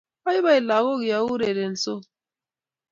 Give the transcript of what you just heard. Baibai lagok ya urerensot